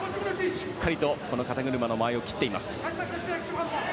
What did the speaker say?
しっかりと肩車の間合いを切っています。